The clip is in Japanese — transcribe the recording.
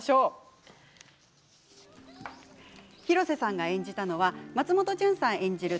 広瀬さんが演じたのは松本潤さん演じる